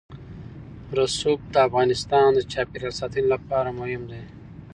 رسوب د افغانستان د چاپیریال ساتنې لپاره مهم دي.